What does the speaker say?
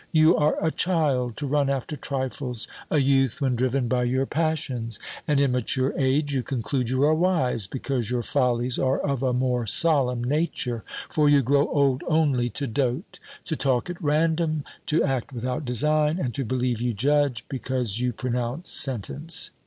You are a child to run after trifles; a youth when driven by your passions; and, in mature age, you conclude you are wise, because your follies are of a more solemn nature, for you grow old only to dote; to talk at random, to act without design, and to believe you judge, because you pronounce sentence.